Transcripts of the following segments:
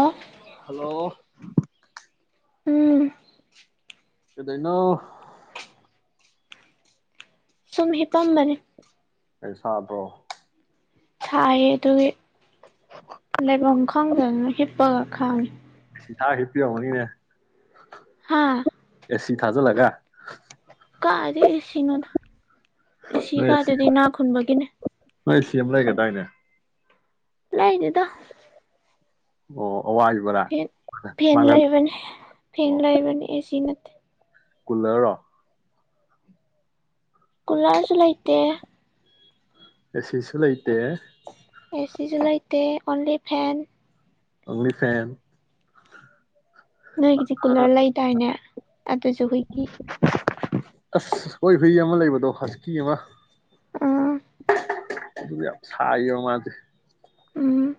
ꯑꯣ ꯍꯜꯂꯣ ꯎꯝ ꯀꯩꯗꯣꯏꯅꯣ ꯁꯨꯝ ꯍꯤꯞꯄꯝꯕꯅꯤ ꯑꯩ ꯁꯥꯕ꯭ꯔꯣ ꯁꯥꯏꯌꯦ ꯑꯗꯨꯒꯤ ꯂꯩꯕꯝ ꯈꯪ ꯈꯪꯗꯅ ꯍꯤꯞꯄꯒ ꯈꯥꯡꯉ ꯍꯥ ꯍꯄꯤ ꯋꯥꯃꯅꯤꯅꯦ ꯍꯥꯥ ꯁꯤ ꯊꯥꯖꯜꯂꯒ ꯀꯥꯔꯤꯁꯤꯅꯣꯗ ꯑꯦꯁꯤ ꯀꯥꯗꯨꯗꯤ ꯏꯅꯥ ꯈꯨꯟꯕꯒꯤꯅꯤ ꯅꯣꯏ ꯁꯤ ꯑꯃ ꯂꯩꯒꯦ ꯇꯥꯏꯅꯦ ꯂ ꯍꯥꯏꯗꯗꯣ ꯑꯣ ꯑꯋꯥꯏꯕꯔꯥ ꯐꯦꯟ ꯐꯦꯟ ꯃꯥꯜꯍꯟ ꯂꯩꯕꯅꯤ ꯐꯦꯟ ꯂꯩꯕꯅꯤ꯫ ꯆꯤꯅꯠ꯫ ꯀꯨꯜꯂꯔꯣ ꯀꯂꯥꯔꯁꯨ ꯂꯩꯥꯏꯇꯦ ꯁꯤꯁꯤꯨꯂꯥꯏꯇꯦ ꯑꯦꯁꯤꯁꯨ ꯂꯩꯇꯦ ꯑꯣꯟꯂꯤ ꯐꯦꯟ꯫ ꯑꯅꯤ ꯐꯦꯟ ꯅꯣꯏꯒꯤꯁꯤ ꯀꯨꯂꯔ ꯂꯩꯗꯥꯏꯅꯦ ꯑꯗꯨꯖꯨ ꯍꯨꯏꯒꯤ ꯑꯁ ꯍꯣꯏ ꯍꯨꯏ ꯑꯃ ꯂꯩꯕꯗꯣ ꯍꯖꯤꯀꯤ ꯑꯃ ꯑꯥ ꯑꯗꯨ ꯌꯥꯝ ꯁꯥꯢꯕ ꯃꯥꯖꯦ ꯎꯝ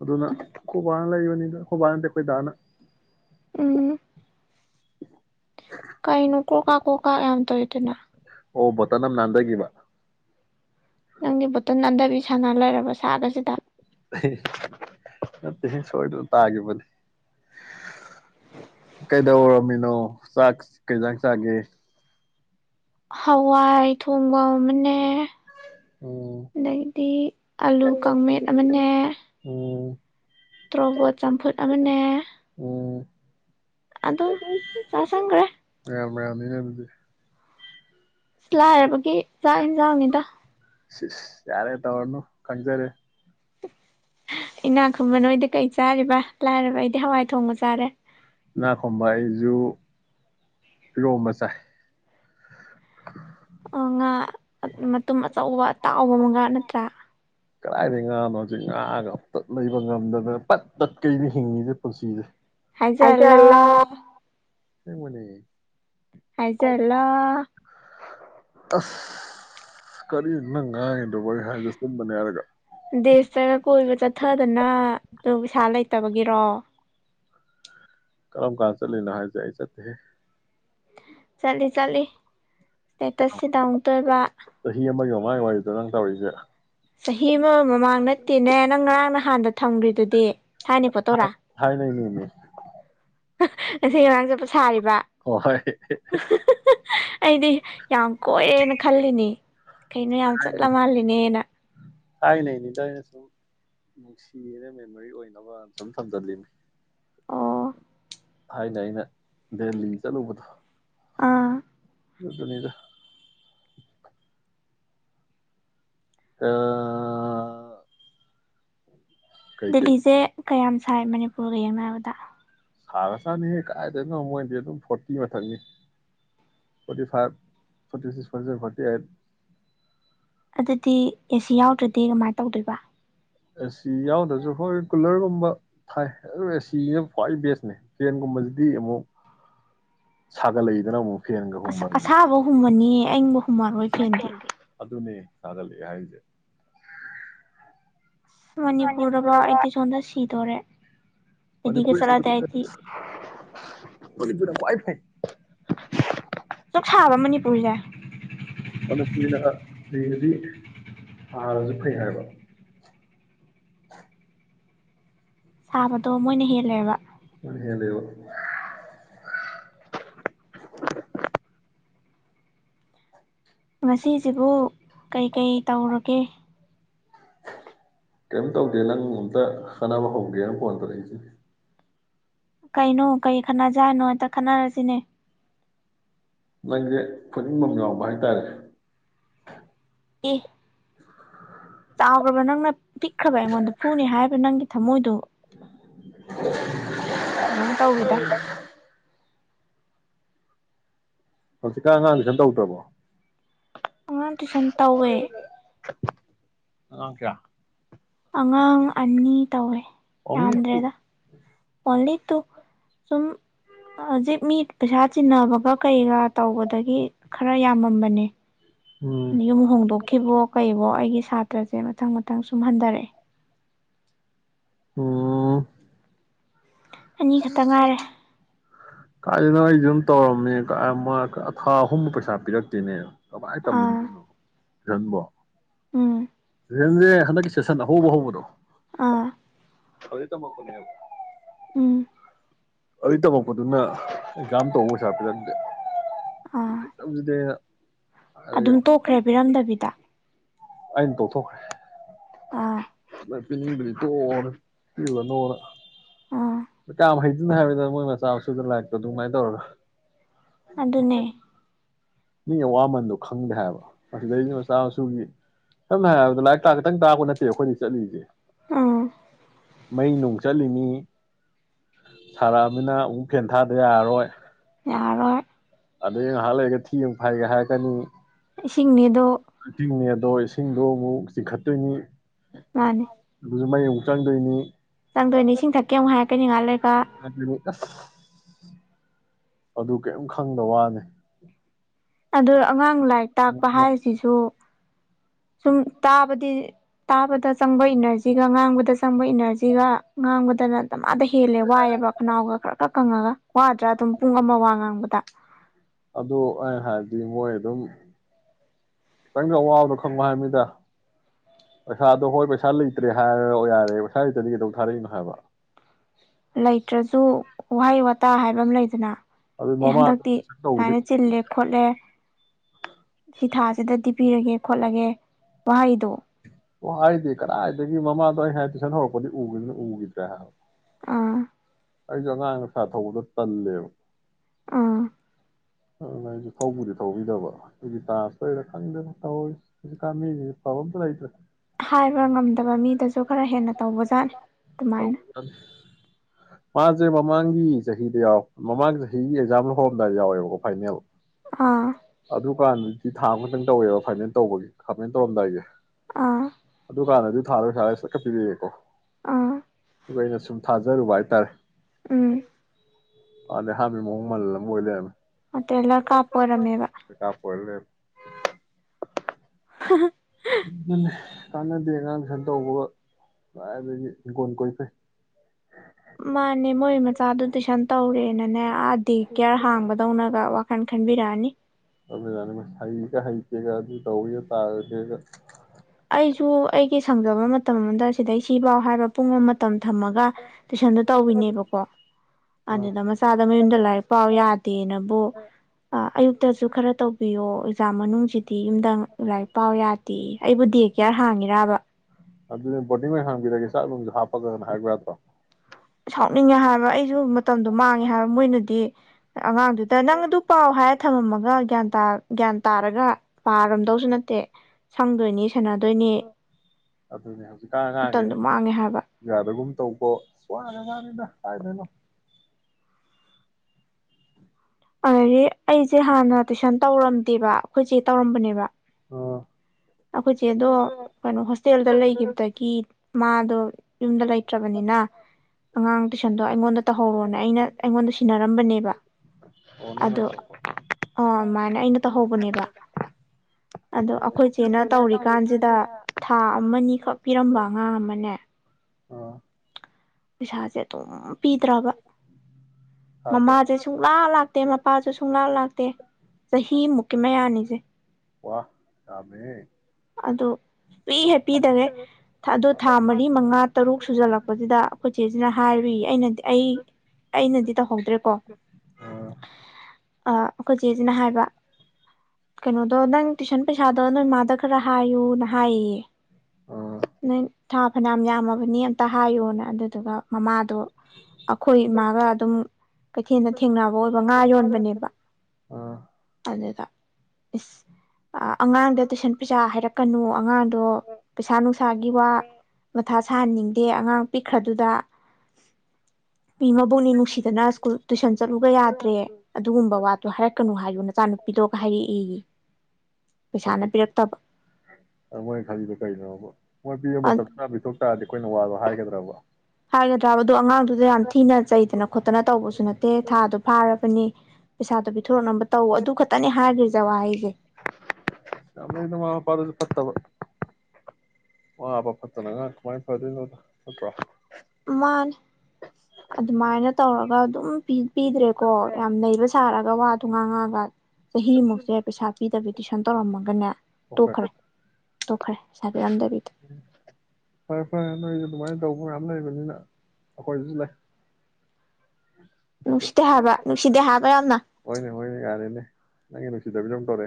ꯑꯗꯨꯅ ꯈꯣꯕꯥ ꯂꯩꯔꯤꯕꯅꯤꯅ ꯈꯣꯡꯕꯥꯗꯤ ꯑꯩꯈꯣꯏ ꯗꯥꯅ ꯎꯝ ꯀꯥꯏꯅ ꯀꯣꯀꯥ ꯀꯣꯀꯥ ꯌꯥꯝ ꯇꯧꯋꯤꯗꯨꯅ ꯑꯣ ꯕꯣꯇꯅ ꯑꯃ ꯅꯥꯥꯟꯗꯒꯤꯕ ꯅꯪꯒꯤ ꯕꯠꯇꯜ ꯅꯥꯟꯊꯕꯤ ꯁꯥꯅ ꯂꯩꯔꯕ ꯁꯥꯒꯁꯤꯗ ꯍꯍ ꯅꯠꯇꯦꯍꯦ ꯁꯣꯏꯗ ꯇꯥꯒꯤꯕꯅꯤ ꯀꯩꯗꯧꯔꯝꯃꯤꯅꯣ ꯆꯥꯛ ꯀꯩ ꯖꯥꯡ ꯆꯥꯒꯦ ꯍꯋꯥꯏ ꯊꯣꯡꯕ ꯃꯅꯦ ꯎꯝ ꯑꯗꯒꯤꯗꯤ ꯑꯥꯂꯨ ꯀꯥꯡꯃꯦꯠ ꯑꯃꯅꯦ ꯎꯝ ꯇ꯭ꯔꯣꯕꯣꯠ ꯆꯝꯐꯨꯠ ꯑꯃꯅꯦ ꯎꯝ ꯑꯗꯨꯝ ꯆꯥꯁꯟꯒ꯭ꯔꯦ ꯃꯌꯥꯝꯅꯤꯅꯦ ꯑꯗꯨꯗꯤ ꯂꯥꯏꯔꯕꯒꯤ ꯆꯥꯛ ꯌꯦꯟꯁꯥꯡꯅꯤꯗ ꯁꯤꯁ ꯌꯥꯔꯦ ꯇꯧꯔꯅꯨ ꯈꯟꯖꯔꯦ ꯏꯅꯥꯛ ꯈꯨꯨꯝꯕ ꯅꯣꯏꯗꯤ ꯀꯩ ꯆꯥꯔꯤꯕ ꯂꯥꯏꯔꯕ ꯑꯩꯗꯤ ꯍꯋꯥꯏ ꯊꯣꯡꯉ ꯆꯥꯔꯦ ꯏꯅꯥꯛ ꯈꯨꯠꯕ ꯑꯩꯁꯨꯨ ꯏꯔꯣꯝꯕ ꯆꯥꯢ ꯉꯥ ꯃꯇꯨꯝ ꯑꯆꯧꯕ ꯑꯇꯥꯎꯕ ꯃꯒꯥ ꯅꯠꯇ꯭ꯔꯥ ꯀꯗꯥꯏꯗ ꯉꯥꯅꯣ ꯍꯧꯖꯤꯛ ꯉꯥꯒ ꯑ ꯇꯠ ꯂꯩꯕ ꯉꯝꯗꯗꯅ ꯄꯠ ꯇꯠ ꯀꯩꯩꯅ ꯍꯤꯡꯉꯤꯁꯦ ꯄꯨꯟꯁꯤꯁꯦ ꯍꯥꯢꯖꯜꯂꯣ ꯑꯁꯦꯡꯕꯅꯦ ꯍꯥꯏꯖꯂꯣ ꯑꯁ ꯀꯔꯤ ꯅꯉꯥꯡꯉꯤ ꯗꯦꯁꯇ ꯀꯣꯏ ꯕ ꯆꯠꯊꯥꯗꯅꯥ ꯑꯗꯨ ꯄꯩꯁꯥ ꯂꯩꯇꯕꯒꯤꯔꯣ ꯀꯔꯝ ꯀꯥꯟꯗ ꯆꯠꯂꯤꯅꯣ ꯍꯥꯏꯁꯦ ꯑꯩ ꯆꯠꯇꯦꯍꯦ ꯆꯂꯤ ꯆꯂꯤ ꯏꯁꯇꯦꯇꯁꯁꯤꯗ ꯑꯃꯨꯛꯇ ꯑꯣꯏꯕ ꯃꯥꯥꯏ ꯋꯥꯔꯤꯗꯣ ꯅꯪ ꯇꯧꯔꯤꯁꯦ ꯆꯍꯤ ꯑꯃ ꯃꯃꯥꯡ ꯅꯠꯇꯦꯅꯦ ꯅꯪ ꯉꯔꯥꯡ ꯅꯍꯥꯟ ꯍꯥꯟꯅ ꯊꯝꯈ꯭ꯔꯤꯗꯨꯗꯤ ꯊꯢꯅꯩ ꯐꯣꯇꯣꯔꯥ ꯎꯝ ꯉꯥꯁꯤ ꯉꯥꯔꯥꯡ ꯁꯥꯔꯤꯕ ꯍꯣꯏ ꯑꯩꯗꯤ ꯌꯥꯝ ꯀꯣꯏꯦꯅ ꯈꯜꯂꯤꯅꯤ ꯀꯩꯅꯣ ꯌꯥꯝ ꯆꯠꯂ ꯃꯥꯜꯂꯤꯅꯦꯅ ꯊꯥꯏꯅꯩꯅꯤꯗ ꯑꯩꯅ ꯁꯨꯝ ꯅꯨꯡꯁꯤꯌꯦꯅ ꯃꯦꯃꯣꯔꯤ ꯑꯣꯏꯅꯕ ꯁꯨꯝ ꯊꯝꯖꯤꯜꯂꯤꯅꯤ ꯑꯣ ꯍꯥꯏꯅ ꯑꯩꯅ ꯗꯦꯜꯂꯤ ꯆꯠꯂꯨꯕꯗꯣ ꯑꯥ ꯑꯗꯨꯗꯅꯤꯗ ꯑ ꯀꯩ ꯀꯩ ꯗꯦꯜꯂꯤꯁꯦ ꯀꯌꯥꯝ ꯁꯥꯏ ꯃꯅꯤꯄꯨꯔꯒ ꯌꯦꯡꯅ ꯍꯥꯏꯕꯗ ꯁꯥꯔ ꯁꯥꯅꯤꯍꯦꯛ ꯀꯥꯏꯗꯅꯣ ꯃꯣꯏꯗꯤ ꯑꯗꯨꯝ ꯐꯣꯔꯇꯤ ꯃꯊꯛꯅꯤ forty five forty six ꯐꯣꯔꯇꯦꯟ forty eight ꯑꯗꯨꯗꯤ ꯑꯦꯁꯤ ꯌꯥꯎꯗ꯭ꯔꯗꯤ ꯀꯃꯥꯏꯅ ꯇꯧꯗꯣꯏꯕ ꯑꯦꯁꯤ ꯌꯥꯎꯗ꯭ꯔꯁꯨ ꯍꯣꯏ ꯀꯨꯂꯔꯒꯨꯝꯕ ꯊꯥꯏ ꯑ ꯑꯦꯁꯤꯅ ꯈ꯭ꯋꯥꯏ ꯕꯦꯁꯅꯦ ꯐꯦꯟꯒꯨꯝꯕꯁꯤꯗꯤ ꯑꯃꯨꯛ ꯁꯥꯒꯠꯂꯛꯏꯗꯅ ꯑꯃꯨꯛ ꯐꯦꯟꯒ ꯑꯁ ꯍꯨꯝꯕꯁꯤꯗꯤ ꯑꯁꯥꯕ ꯍꯨꯝꯃꯥꯅꯤꯌꯦ ꯑꯉꯗꯣ ꯀꯨꯃꯥꯔꯣꯌ ꯍꯣꯏ ꯐꯦꯟꯗꯦ ꯑꯗꯨꯅꯤ ꯁꯥꯒꯠꯂꯑꯦ ꯍꯥꯏꯁꯦ ꯃꯅꯤꯄꯨꯔ ꯃꯅꯤꯄꯨꯔꯗꯐꯥꯎ ꯑꯩꯗꯤ ꯁꯣꯝꯗ ꯁꯤꯗꯣꯔꯦ ꯗꯦꯜꯂꯤꯒ ꯃꯅꯤꯄꯨꯔ ꯆꯠꯂꯗꯤ ꯑꯩꯗꯤ ꯀꯨꯋꯥꯏ [inaudible] ꯁꯨꯛꯁꯕꯔꯥ ꯃꯅꯤꯄꯨꯔꯁꯦ ꯃꯅꯤꯄꯨꯔ ꯑꯥ ꯗꯤꯅꯥꯗꯤ ꯁꯥꯔꯁꯨ ꯐꯩ ꯍꯥꯏꯕ [inaudible] ꯁꯥꯕꯗꯣ ꯃꯣꯏꯅ ꯍꯦꯜꯂꯦꯕ ꯑ ꯍꯦꯜꯂꯦꯕꯥ ꯉꯁꯤꯁꯤꯕꯨ ꯀꯩꯀꯩ ꯇꯧꯔꯒꯦ ꯀꯔꯤꯝ ꯇꯧꯗꯦ ꯅꯪ ꯑꯝꯇ ꯈꯅꯕ ꯍꯧꯒꯦꯅ ꯐꯣꯟ ꯇꯧꯔꯛꯏꯅꯤ ꯀꯩꯅꯣ ꯀꯔꯤ ꯈꯠꯅꯖꯠꯅꯣ ꯍꯦꯛꯇ ꯈꯟꯅꯔꯁꯤꯅꯦ ꯅꯪꯁꯦ ꯈꯨꯗꯤꯅꯤꯡꯐꯝ ꯌꯥꯎꯕ ꯍꯥꯏꯇꯥꯔꯦ ꯑꯦ ꯆꯥꯎꯒꯕꯅꯪ ꯇꯤꯛꯕ ꯑꯩꯉꯣꯟꯗ ꯄꯨꯅꯤ ꯍꯥꯏꯕ ꯅꯪꯒꯤ ꯊꯃꯣꯏꯗꯨ [inaudible] ꯀꯩꯅꯣꯝ ꯇꯧꯋꯤꯗ ꯍꯧꯖꯤꯛꯀꯥ ꯑꯉꯥꯡꯗꯤ ꯁꯝ ꯇꯧꯗ꯭ꯔꯕꯣ ꯑꯉꯥꯡ ꯇꯨꯏꯁꯣꯜ ꯑꯗꯨꯕꯨꯗꯤ ꯑꯉꯥꯡ ꯀꯌꯥ ꯑꯉꯥꯡ ꯑꯅꯤ ꯇꯧꯋꯦ ꯑꯍꯨꯝꯂꯛ ꯇꯨ ꯑꯣꯜꯂꯤ ꯇꯨ ꯁꯨꯝ ꯍꯧꯖꯤꯛ ꯃꯤ ꯄꯩꯁꯥ ꯆꯤꯟꯅꯕꯒ ꯀꯩꯒ ꯇꯧꯕꯗꯒꯤ ꯈꯔ ꯌꯥꯝꯃꯝꯕꯅꯦ ꯎꯝ ꯌꯨꯝ ꯍꯣꯡꯗꯣꯛꯈꯤꯕꯣ ꯀꯩꯕꯣ ꯑꯩꯒꯤ ꯁꯥꯇ꯭ꯔꯁꯦ ꯃꯊꯪ ꯃꯊꯪ ꯁꯨꯝꯍꯟꯊꯔꯛꯑꯦ ꯑꯣ ꯑꯅꯤꯈꯠꯇ ꯉꯥꯏꯔꯦ ꯀꯥꯏꯗꯩꯅꯣ ꯑꯩꯁꯨ ꯑꯃꯥ ꯇꯧꯔꯝꯃꯦ ꯀꯥꯏ ꯃ ꯑꯛ ꯊꯥ ꯑꯍꯨꯝꯕꯨ ꯄꯩꯁꯥ ꯄꯤꯔꯛꯇꯦꯅꯦ ꯀꯃꯥꯏ ꯑꯥ ꯇꯝꯅꯤꯡꯗꯨꯏꯅꯣ ꯔꯟꯕꯣ ꯎꯝ [unintelligible] ꯍꯟꯗꯛꯀꯤ ꯁꯦꯁꯟ ꯑꯍꯧꯕ ꯍꯧꯕꯗꯣ ꯑꯥ [unintelligible] ꯇꯝꯃꯛꯄꯅꯦꯕ ꯎꯝ ꯑꯗꯨꯗꯩ ꯇꯝꯃꯛꯄꯗꯨꯅ ꯑꯦꯛꯖꯥꯝ ꯇꯧꯕ ꯄꯩꯁꯥ ꯄꯤꯔꯝꯗꯦ ꯑꯥ ꯑꯗꯨꯝ ꯇꯣꯛꯈ꯭ꯔꯦ ꯄꯤꯔꯝꯗꯕꯤꯗ [inaudible] ꯑꯩꯅ ꯇꯣꯛꯊꯣꯛꯈ꯭ꯔꯦ ꯑꯥ [inaudible] ꯄꯤꯅꯤꯡꯗ꯭ꯔꯥꯗꯤ ꯇꯣꯛꯑꯣꯅ ꯄꯤꯔꯨꯔꯥꯅꯣꯅ ꯑꯥ ꯀꯌꯥꯝ ꯍꯩꯗꯣꯏꯅꯣ ꯍꯥꯏꯕꯅꯤꯗ ꯃꯣꯏ ꯃꯆꯥ ꯃꯁꯨꯗꯣ ꯂꯥꯏꯔꯤꯛꯇꯣ ꯑꯗꯨꯃꯥꯏꯅ ꯇꯧꯔꯒ ꯑꯗꯨꯅꯤ ꯑꯗꯨꯅꯦ ꯃꯤ ꯑꯋꯥꯃꯟꯗꯣ ꯈꯪꯗꯦ ꯍꯥꯏꯕ ꯑꯗꯨꯗꯩꯗꯤ ꯃꯆꯥ ꯃꯁꯨꯒꯤ ꯁꯝꯅ ꯍꯥꯏꯔꯕꯗ ꯂꯥꯏꯔꯤꯛ ꯇꯥꯛ ꯈꯤꯇꯪ ꯇꯥꯛꯄ ꯅꯠꯇꯦ ꯑꯩꯈꯣꯏꯗꯤ ꯆꯠꯂꯤꯁꯦ ꯑꯥ ꯃꯩ ꯅꯨꯡ ꯆꯠꯂꯤꯅꯤ ꯁꯥꯔꯛꯑꯃꯤꯅ ꯑꯃꯨꯛ ꯐꯦꯟ ꯊꯥꯗ ꯌꯥꯔꯔꯣꯏ ꯌꯥꯔꯔꯣꯏ ꯉꯍꯥꯛ ꯂꯩꯔꯒ ꯊꯤ ꯑꯃꯨꯛ ꯐꯥꯏꯒꯦ ꯍꯥꯏꯔꯛꯀꯅꯤ ꯏꯁꯤꯡꯅꯤꯗꯣ [unintelligible] ꯗꯣ ꯏꯁꯤꯡꯗꯣ ꯑꯃꯨꯛ ꯆꯤꯡꯈꯠꯇꯨꯏꯅꯤ ꯃꯥꯅꯤ ꯑꯗꯨ ꯃꯩ ꯑꯃꯨꯛ ꯆꯪꯗꯨꯏꯅꯤ ꯆꯪꯗꯣꯏꯅꯤ ꯏꯁꯤꯡ ꯊꯛꯀꯦ ꯑꯃꯨꯛ ꯍꯥꯏꯔꯛꯀꯅꯤ ꯉꯥꯏꯍꯥꯛ ꯂꯩꯔꯒ [unintelligible] ꯑꯗꯨꯅꯤ ꯑꯁ ꯑꯗꯨ ꯀꯩꯌꯝ ꯈꯪꯗꯕ ꯋꯥꯅꯤ ꯑꯗꯨ ꯑꯉꯥꯡ ꯂꯥꯏꯔꯤꯛ ꯇꯥꯛꯄ ꯍꯥꯏꯔꯤꯁꯤꯁꯨ ꯁꯨꯝ ꯇꯥꯕꯗꯤ ꯇꯥꯕꯗ ꯆꯪꯕ ꯏꯅꯔꯖꯤꯒ ꯉꯥꯡꯕꯗ ꯆꯪꯕ ꯏꯅꯔꯖꯤꯒ ꯉꯥꯡꯕꯗꯅ ꯗꯃꯥꯗ ꯍꯦꯜꯂꯦ ꯋꯥꯏꯑꯦꯕ ꯈꯅꯥꯎꯒ ꯈꯔꯛ ꯈꯔꯛ ꯀꯪꯉꯒ ꯋꯥꯗ꯭ꯔꯥ ꯑꯗꯨꯝ ꯄꯨꯡ ꯑꯃ ꯋꯥ ꯉꯥꯡꯕꯗ ꯇꯥ ꯑꯗꯨ ꯑꯩꯅ ꯍꯥꯏꯕꯗꯤ ꯃꯣꯏ ꯑꯗꯨꯝ ꯈꯤꯇꯪꯁꯨ ꯑꯋꯥꯕꯗꯣ ꯈꯪꯕ ꯍꯥꯏꯕꯅꯤꯗ ꯄꯩꯁꯥꯗꯣ ꯍꯣꯏ ꯄꯩꯁꯥ ꯂꯩꯇ꯭ꯔꯦ ꯍꯥꯏꯔ ꯌꯥꯔꯦ ꯄꯩꯁꯥ ꯂꯩꯇꯗꯤ ꯀꯩꯗꯧ ꯊꯥꯔꯛꯏꯅꯣ ꯍꯥꯏꯕꯥ ꯂꯩꯇ꯭ꯔꯁꯨ ꯋꯥꯍꯩ ꯋꯥꯇꯥ ꯍꯥꯏꯕ ꯑꯃ ꯂꯩꯗꯅꯥ ꯑꯗꯨ ꯑꯦ ꯃꯃꯥꯗꯣ ꯍꯟꯗꯛꯇꯤ ꯇꯨꯏꯁꯟ ꯇꯧꯕꯗꯤ ꯁꯨꯃꯥꯏꯅ ꯆꯤꯜꯂꯦ ꯈꯣꯠꯂꯦ ꯁꯤ ꯊꯥꯁꯤꯗꯗꯤ ꯄꯤꯔꯒꯦ ꯈꯣꯠꯂꯒꯦ ꯋꯥꯍꯩꯗꯣ ꯑꯣ ꯍꯥꯏꯗꯤꯦ ꯀꯗꯥꯏꯗꯒꯤ ꯃꯃꯥꯗꯣ ꯑꯩ ꯍꯥꯏ ꯇꯨꯏꯁꯟ ꯍꯧꯔꯛꯄꯗꯒꯤ ꯎꯕꯗꯒꯤ ꯎꯈꯤꯗ꯭ꯔꯦ ꯍꯥꯏꯕ ꯑꯥ ꯑꯩꯁꯨꯦ ꯑꯉꯥꯡ ꯑꯁꯥ ꯊꯧꯕꯗ ꯇꯜꯂꯦꯕ ꯑꯥ ꯑꯗꯨꯅ ꯑꯩꯁꯨ ꯊꯧꯕꯨꯗꯤ ꯊꯧꯕꯤꯗꯕ ꯑꯗꯨꯗꯤ ꯇꯥꯥꯁꯇꯣꯏꯔ ꯈꯪꯗꯦꯗꯥ ꯇꯧꯔꯤꯁꯤꯍꯧꯖꯤꯛ ꯀꯥꯃꯤꯁꯤꯗꯤ ꯐꯕ ꯑꯝꯇ ꯂꯩꯇ꯭ꯔꯦ ꯍꯥꯏꯕ ꯉꯝꯗꯕ ꯃꯤꯗꯁꯨ ꯁꯨ ꯈꯔ ꯍꯦꯟꯅ ꯇꯧꯕꯖꯥꯠꯅꯤ ꯑꯗꯨꯃꯥꯏꯅꯥ ꯇꯧꯕꯖꯥꯠꯅꯤ ꯃꯥꯁꯦ ꯃꯃꯥꯡꯒꯤ ꯆꯍꯤꯗ ꯌꯥꯎꯔ ꯃꯃꯥꯡ ꯆꯍꯤꯒꯤ ꯑꯦꯛꯖꯥꯝ ꯂꯧ ꯍꯧꯔꯝꯗꯥꯏ ꯌꯥꯎꯋꯦꯕꯀꯣ ꯐꯥꯏꯅꯦꯜ ꯑꯥ ꯑꯗꯨꯀꯥꯟꯗꯗꯤ ꯊꯥ ꯑꯃ ꯈꯛꯇꯪ ꯇꯧꯋꯦꯕ ꯐꯥꯏꯅꯜ ꯇꯧꯕꯒꯤ ꯈꯃꯜ ꯇꯧꯔꯝꯗꯥꯏꯒꯤ ꯑꯥ ꯑꯗꯨꯀꯥꯟꯗꯗꯤ ꯊꯥꯔꯣꯏ ꯆꯠꯈꯠꯄꯤꯔꯛꯑꯦꯀꯣ ꯑꯥ ꯑꯗꯨꯒ ꯑꯩꯅ ꯁꯨꯝ ꯊꯥꯖꯔꯨꯕ ꯍꯥꯏꯇꯥꯔꯦ ꯎꯝ ꯑꯗꯗꯤ ꯑꯍꯥꯟꯕ ꯃꯑꯣꯡ ꯃꯜ ꯑꯃ ꯑꯣꯏ ꯂꯩꯔꯝꯃꯦ ꯇ‌ꯦꯂꯔ ꯀꯥꯄꯣꯔꯃꯦ [unintelligible] ꯍꯥ ꯍꯥ ꯑꯗꯨꯅꯥ ꯀꯥꯟꯅꯗꯦ ꯑꯉꯥꯡ ꯇꯨꯁꯅ ꯇꯧꯕꯕ ꯑꯗꯨ ꯑꯗꯒꯤ ꯍꯤꯡꯒꯣꯟꯜ ꯀꯣꯏ ꯐꯩ ꯃꯥꯗꯣ ꯇꯨꯏꯁꯟ ꯇꯧꯔꯦꯅꯅꯦ ꯑꯥ ꯗ‍ꯦ ꯀꯤꯌꯥꯔ ꯍꯥꯡꯕꯗꯧꯅꯒ ꯋꯥꯈꯜ ꯈꯟꯕꯤꯔꯛꯑꯅꯤ [unintelligible] ꯍꯩꯒ ꯍꯩꯇꯦꯒ ꯑꯗꯨ ꯇꯧꯋꯤꯒ ꯇꯥꯔꯒꯦꯒꯉ ꯑꯩꯁꯨ ꯑꯩꯒꯤ ꯁꯪꯖꯕ ꯃꯇꯝ ꯑꯃꯗ ꯁꯤꯗꯩ ꯁꯤꯐꯥꯎ ꯍꯥꯏꯕ ꯄꯨꯡꯕ ꯃꯇꯝ ꯊꯝꯃꯒ ꯇꯨꯏꯁꯟꯗꯣ ꯇꯧꯕꯤꯅꯦꯕꯀꯣ ꯑꯥ ꯑꯗꯨꯗꯥ ꯃꯆꯥꯗ ꯃꯌꯨꯝꯗ ꯂꯥꯏꯔꯤꯛ ꯄꯥꯎ ꯌꯥꯗꯦꯅꯕꯨ ꯑꯌꯨꯛꯇꯁꯨ ꯈꯔ ꯇꯧꯕꯤꯌꯣ ꯑ‌ꯦꯛꯖꯥꯝ ꯃꯅꯨꯡꯁꯤꯗꯤ ꯌꯨꯝꯗꯪ ꯂꯥꯏꯔꯤꯛ ꯄꯥꯎ ꯌꯥꯗꯦꯌ‌ꯦ ꯑꯩꯕꯨ ꯗꯦ ꯀꯦꯌꯥꯔ ꯍꯥꯡꯉꯤꯔꯕ ꯑꯗꯨꯗꯤ ꯕꯣꯇꯗꯤꯡ ꯑꯣꯏꯅ ꯍꯥꯡꯕꯤꯔꯒꯦ ꯆꯥꯛ ꯅꯨꯡꯁꯨ ꯍꯥꯞꯄꯒꯅ ꯍꯥꯏꯕ ꯌꯥꯗ꯭ꯔꯣ ꯁꯥꯎꯅꯤꯡꯉꯦ ꯍꯥꯏꯕ ꯑꯩꯁꯨ ꯃꯇꯝꯗꯣ ꯃꯥꯡꯉꯦ ꯍꯥꯏꯕ ꯃꯣꯏꯅꯗꯤ ꯑꯉꯥꯡꯗꯨꯗ ꯅꯪ ꯑꯗꯨ ꯄꯥꯎ ꯍꯥꯏꯔ ꯊꯝꯃꯝꯃꯒ ꯒ꯭ꯌꯥꯟ ꯇꯥꯔꯒ ꯄꯥꯔꯝꯗꯧꯁꯨ ꯅꯠꯇꯦ ꯁꯪꯗꯣꯏꯅꯤ ꯁꯥꯟꯅꯗꯣꯏꯅꯤ ꯑꯗꯨꯅꯦ ꯍꯧꯖꯤꯛ ꯀꯥꯟ ꯃꯇꯝꯗꯣ ꯑꯉꯥꯡꯁꯤꯡꯁꯦ ꯃꯥꯡꯉꯦ ꯍꯥꯏꯕ ꯌꯥꯗꯒꯨꯝ ꯇꯧꯕꯣ ꯋꯥꯅꯦ ꯃꯥꯅꯤꯅ ꯀꯥꯏꯗꯣꯏꯅꯣ ꯑꯗꯒꯤ ꯑꯩꯁꯦ ꯍꯥꯟꯅ ꯇꯨꯏꯁꯟ ꯇꯧꯔꯝꯗꯦꯕ ꯑꯩꯈꯣꯏꯆ‌ꯦ ꯇꯧꯔꯝꯕꯅꯦꯕ ꯑꯣ ꯑꯩꯈꯣꯏꯆꯦꯗꯣ ꯀꯩꯅꯣ ꯍꯣꯁꯇꯦꯜꯗ ꯂꯩꯈꯤꯕꯗꯒꯤ ꯃꯥꯗ‌ꯣ ꯌꯨꯝꯗ ꯂꯩꯇ꯭ꯔꯕꯅꯤꯅ ꯑꯉꯥꯡ ꯇꯨꯏꯁꯟꯗꯣ ꯑꯩꯉꯣꯟꯗ ꯇꯧꯍꯧꯔꯣꯅ ꯑꯩꯅ ꯑꯩꯉꯣꯟꯗ ꯁꯤꯟꯅꯔꯝꯕꯅꯦꯕ ꯑꯣ ꯑꯗꫭ ꯅꯪꯅ ꯑ ꯃꯥ ꯑꯩꯅ ꯇꯧꯍꯧꯕꯅꯩꯕ ꯆꯦꯅ ꯇꯧꯔꯤꯀꯥꯟꯁꯤꯗ ꯊꯥ ꯑꯃꯅꯤꯈꯛ ꯄꯤꯔꯝꯕ ꯑꯉꯥꯡ ꯑꯃꯅꯦ ꯑꯣ ꯄꯩꯁꯥꯁꯦ ꯑꯗꯨꯝ ꯄꯤꯗ꯭ꯔꯕ ꯊꯥꯔꯛꯀꯦ ꯃꯃꯥꯁꯦ ꯁꯨꯡꯂꯥꯛ ꯂꯥꯛꯇꯦ ꯃꯄꯥꯁꯨ ꯁꯨꯡꯂꯥꯛ ꯂꯥꯛꯇꯦ ꯆꯍꯤꯃꯨꯛꯀꯤ ꯃꯌꯥꯅꯤꯁꯦ ꯋꯥ ꯌꯥꯝꯃꯦꯍꯦ ꯑꯗꯨ ꯁꯨꯛꯄꯤꯍꯦꯛ ꯄꯤꯗꯒꯩ ꯑꯗꫭ ꯊꯥ ꯃꯔꯤ ꯃꯉꯥ ꯇꯔꯨꯛ ꯁꯨꯖꯜꯂꯛꯄꯁꯤꯗ ꯑꯩꯈꯣꯏ ꯏꯆꯦꯁꯤꯅ ꯍꯥꯏꯔꯨꯏ ꯑꯩꯅꯗꯤ ꯑꯩ ꯑꯩꯅꯗꯤ ꯇꯧꯍꯧꯗ꯭ꯔꯦꯀꯣ ꯑꯥ ꯑ ꯑꯩꯈꯣꯏ ꯆꯦꯁꯤꯅ ꯍꯥꯏꯕ ꯀꯩꯅꯣꯗꯣ ꯅꯪ ꯇꯨꯏꯁꯟ ꯄꯩꯁꯥꯗꫭ ꯅꫭꯏꯃꯥꯗ ꯈꯔ ꯍꯌꯨꯅ ꯍꯥꯏꯌꯦꯌꯥꯩ ꯑꯥ ꯅꯪ ꯊ ꯐꯩꯅꯝ ꯌꯥꯝꯃꯃꯤ ꯅꯤ ꯑꯃꯝꯇ ꯍꯥꯏꯌꯣꯅ ꯑꯗꯨꯗꯨꯒ ꯃꯃꯥꯗꯣ ꯑꯈꯣꯏ ꯏꯃꯥꯒ ꯑꯗꯨꯝ ꯀꯩꯊꯦꯜꯗ ꯊꯦꯡꯅꯕ ꯑꯣꯏꯕ ꯉꯥ ꯌꯣꯟꯕꯅꯦꯕ ꯑꯥ ꯑꯗꯨꯗ ꯏꯁ ꯑ ꯑꯉꯥꯡꯗ ꯇꯨꯏ ꯄꯩꯁꯥ ꯍꯥꯏꯔꯛꯀꯅꯨ ꯑꯉꯥꯡꯗꯣ ꯄꯩꯁꯥ ꯅꯨꯡꯁꯥꯒꯤ ꯋꯥ ꯃꯊꯥ ꯁꯥꯍꯟꯅꯤꯡꯗꯦ ꯑꯉꯥꯡ ꯄꯤꯛꯈ꯭ꯔꯗꯨꯗ ꯃꯤ ꯃꯕꯣꯛꯅꯤ ꯅꯨꯡꯁꯤꯗꯅ ꯁ꯭ꯀꯨꯜ ꯇꯨꯏꯁꯟ ꯆꯠꯂꯨꯒ ꯌꯥꯗ꯭ꯔꯦ ꯑꯗꯨꯒꯨꯝꯕ ꯋꯥꯗꯣ ꯍꯥꯏꯔꯛꯀꯅꯨ ꯍꯥꯏꯌꯨ ꯅꯆꯥꯅꯨꯄꯤꯗꯣꯒ ꯍꯥꯏꯔꯛꯑꯦ ꯌꯦ ꯄꯩꯁꯥꯅ ꯑꯗꯨ ꯄꯤꯔꯛ ꯇꯕ ꯃꯣꯏ ꯈꯜꯂꯤꯗ ꯀꯔꯤꯅꯣꯕ ꯃꯣꯏ ꯄꯤꯕ ꯃꯇꯝ ꯆꯥ ꯄꯤꯊꯣꯛ ꯇꯥꯔꯗꯤ ꯑꯈꯣꯏꯅ ꯋꯥꯕ ꯍꯥꯏꯒꯗ꯭ꯔꯕ ꯍꯥꯏꯒꯗ꯭ꯔꯥꯕ ꯑꯗꯨꯣ ꯑꯉꯥꯡꯗꯨꯗ ꯌꯥꯝ ꯊꯤꯅ ꯆꯩꯗꯅ ꯈꯣꯠꯇꯅ ꯇꯧꯕꯁꯨ ꯅꯠꯇꯦ ꯊꯥꯗꯣ ꯐꯥꯔꯕꯅꯤ ꯄꯩꯁꯥꯗꯣ ꯄꯤꯊꯣꯔꯛꯅꯕ ꯇꯧ ꯑꯗꯨ ꯈꯛꯇꯅꯦ ꯍꯥꯏꯈ꯭ꯔ ꯖ ꯋꯥꯍꯁꯦ [unintelligible] ꯃꫭꯏ ꯃꯃꯥ ꯃꯄꯥꯗꯨꯖꯨ ꯐꯠꯇꯕ ꯃꯃꯥ ꯃꯄꯥ ꯐꯠꯇꯅ ꯑꯉꯥꯡ ꯀꯃꯥꯏ ꯐꯗꫭꯏꯅꫭꯗ ꯅꯠꯇ꯭ꯔꯣ ꯃꯥꯅꯦ ꯑꯗꯨꯃꯥꯏꯅ ꯇꯧꯔꯒ ꯑꯗꯨꯝ ꯄꯤ ꯄꯤꯗ꯭ꯔꯦꯀꯣ ꯌꯥꯝ ꯅꯩꯕ ꯁꯥꯔꯒ ꯑꯗ ꯋꯥꯗꯨ ꯉꯥꯡꯉꯛꯑꯒ ꯆꯍꯤꯃꯨꯛꯁꯦ ꯄꯩꯁꯥ ꯄꯤꯗꯕꯤ ꯇꯨꯏꯁꯟ ꯇꯧꯔꯝꯃꯒꯅꯦ ꯑꯩꯈꯣꯏ ꯇꯣꯛꯈ꯭ꯔꯦ ꯇꯣꯛꯈ꯭ꯔꯦ ꯄꯩꯁꯥ ꯄꯤꯔꯝꯗꯕꯤꯗ ꯐꯔꯦ ꯐꯔꯦ ꯅꯣꯏꯁꯨ ꯑꯗꯨꯃꯥꯏꯅ ꯇꯧꯕ ꯃꯌꯥꯝ ꯂꯩꯕꯅꯤꯅ ꯑꯈꯣꯏꯗꯁꯨ ꯂꯩ ꯑꯗꯨ ꯅꯨꯡꯁꯤꯗꯦ ꯍꯥꯏꯕ ꯅꯨꯡꯁꯤꯗꯦ ꯍꯥꯏꯕ ꯌꯥꯝꯅ ꯍꯣꯏꯅꯦ ꯍꯣꯏꯅꯦ ꯌꯥꯔꯦꯅꯦ ꯅꯪꯒꯤ ꯅꯨꯡꯁꯤꯗꯕꯤꯖꯦ ꯑꯝ ꯇꯧꯔꯦ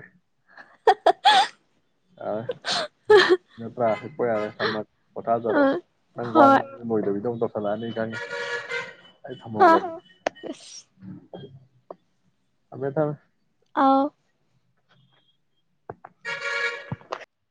ꯑꯥꯏ ꯅꯞꯄꯔꯥ ꯍꯤꯞꯄꯣ ꯌꯥꯔꯦ ꯊꯝꯃ ꯄꯣꯊꯥꯖꯔꯣ ꯎꯝ ꯅꯪ ꯋꯥ ꯍꯣꯏ ꯉ ꯂꯣꯏꯗꯕꯤꯗꯣ ꯈꯂꯅꯤ ꯈꯪꯏ ꯑꯩ ꯍꯥ ꯊꯝꯃꯧꯔꯒꯦ ꯑꯁ ꯑꯕꯦ ꯊꯃꯦ ꯑꯧ [inaudible]